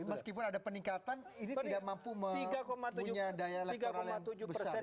meskipun ada peningkatan ini tidak mampu mempunyai daya elektronik yang besar ya